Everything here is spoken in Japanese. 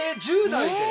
１０代で？